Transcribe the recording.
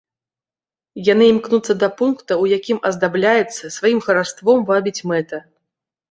Яны імкнуцца да пункта, у якім аздабляецца, сваім хараством вабіць мэта.